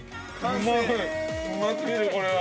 うますぎる、これは。